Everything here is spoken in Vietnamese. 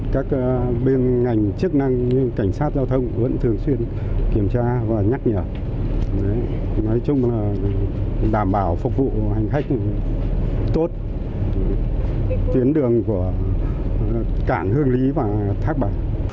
các bên ngành chức năng như cảnh sát giao thông vẫn thường xuyên kiểm tra và nhắc nhở nói chung là đảm bảo phục vụ hành khách tốt tuyến đường của cảng hương lý và thác bà